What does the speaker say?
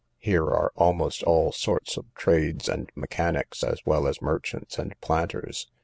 Here are almost all sorts of trades and mechanics, as well as merchants and planters.